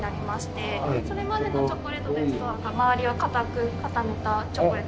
それまでのチョコレートですと周りを硬く固めたチョコレート。